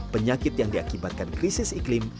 penyakit yang diakibatkan krisis iklim